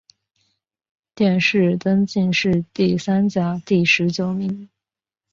殿试登进士第三甲第十九名。